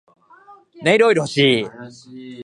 ネイルオイル欲しい